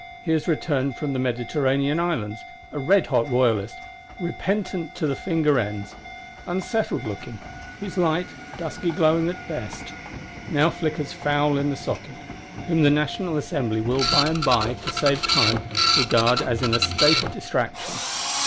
He is returned from the Mediterranean Islands, a redhot royalist, repentant to the finger ends;—unsettled looking; whose light, dusky glowing at best, now flickers foul in the socket; whom the National Assembly will by and by, to save time, "regard as in a state of distraction."